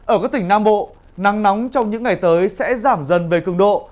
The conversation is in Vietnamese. ở các tỉnh nam bộ nắng nóng trong những ngày tới sẽ giảm dần về cường độ